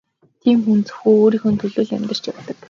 Тийм хүн зөвхөн өөрийнхөө л төлөө амьдарч явдаг.